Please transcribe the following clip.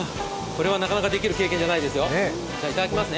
これはなかなかできる経験じゃないですよ、いただきます。